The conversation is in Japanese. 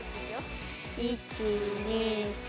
１・２・３。